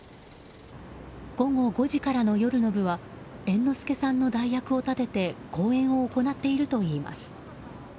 午後５時からの夜の部は猿之助さんの代役を立てて公演を行っているといいます。